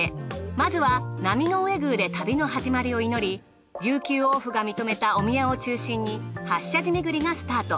まずは波上宮で旅の始まりを祈り琉球王府が認めたお宮を中心に８社寺めぐりがスタート。